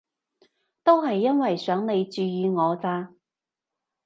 都係因為想你注意我咋